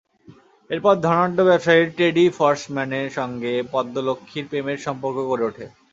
এরপর ধনাঢ্য ব্যবসায়ী টেডি ফর্স্টম্যানের সঙ্গে পদ্ম লক্ষ্মীর প্রেমের সম্পর্ক গড়ে ওঠে।